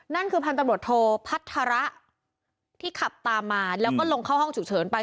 นั่นคือพันตำลดโทษศิลป์พัทระที่ขับตามมาแล้วก็ลงเข้าห้องฉุกเฉินไป